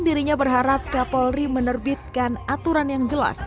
dirinya berharap kapolri menerbitkan aturan yang jelas